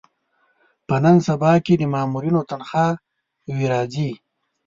په نن سبا کې د مامورینو تنخوا وې راځي.